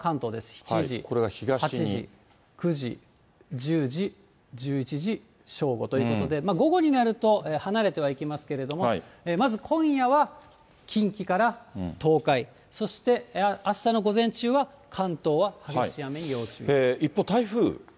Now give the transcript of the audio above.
７時、８時、９時、１０時、１１時、正午ということで、午後になると離れてはいきますけれども、まず今夜は近畿から東海、そしてあしたの午前中は関東は激しい雨に要注意。